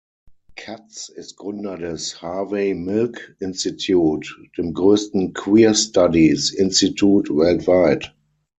Katz ist Gründer des "Harvey Milk Institute", dem größten "queer Studies" Institut weltweit.